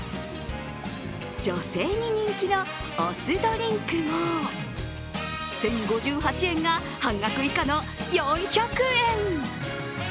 女性に人気のお酢ドリンクも１０５８円が半額以下の４００円。